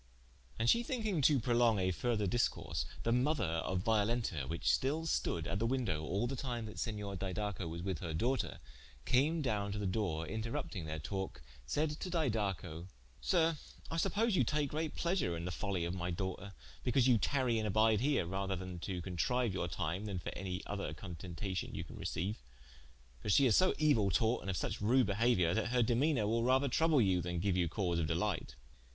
And she thinking to prolonge a further discourse, the mother of Violenta which stil stode at the wyndowe al the time that Senior Didaco was with her doughter, came downe to the doore, interrupting their talke, saide to Didaco: "Sir, I suppose you take great pleasure in the follie of my doughter, because you tarie and abide here, rather to contriue your tyme, then for any other contentacion you can receiue. For she is so euill taught, and of suche rude behauiour, that her demeanour will rather trouble you, than geue you cause of delight."